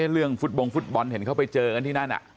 เรื่องฟุตบงฟุตบอลเห็นเขาไปเจอกันที่นั่น